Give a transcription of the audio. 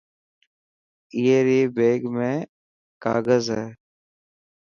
اي ري بيگ ۾ ڪاگز هي.